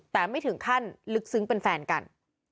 แต่ไม่ถึงขั้นลึกซึ้งเป็นแฟนกัน